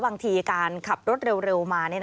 บางทีการขับรถเร็วมา